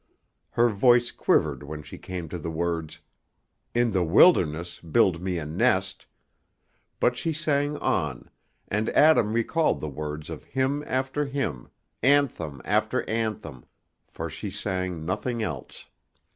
Her voice quivered when she came to the words, "In the wilderness build me a nest," but she sang on, and Adam recalled the words of hymn after hymn, anthem after anthem, for she sang nothing else.